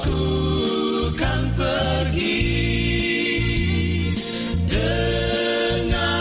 ku kan pergi bersamanya